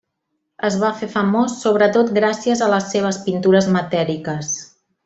Es va fer famós sobretot gràcies a les seves pintures matèriques.